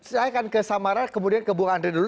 saya akan ke samara kemudian ke bung andri dulu